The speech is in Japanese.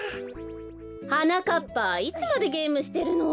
はなかっぱいつまでゲームしてるの？